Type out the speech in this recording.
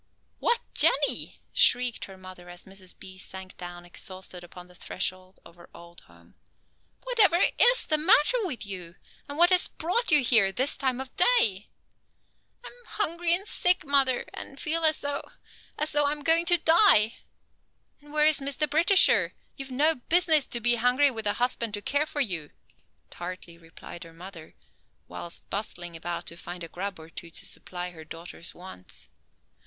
"Why, Jenny!" shrieked her mother as Mrs. B. sank down exhausted upon the threshold of her old home. "Whatever is the matter with you, and what has brought you here this time of day?" "I am hungry and sick, mother, and I feel as though, as though I am going to die!" "And where is Mr. Britisher? You've no business to be hungry with a husband to care for you," tartly replied her mother, whilst bustling about to find a grub or two to supply her daughter's wants.